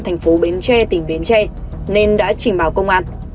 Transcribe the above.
thành phố bến tre tỉnh bến tre nên đã trình báo công an